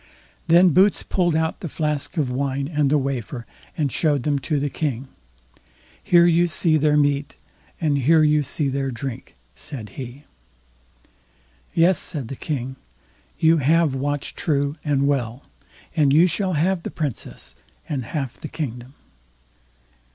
Then Boots pulled out the flask of wine and the wafer, and showed them to the King. "Here you see their meat, and here you see their drink", said he. "Yes", said the King, "you have watched true and well, and you shall have the Princess and half the kingdom."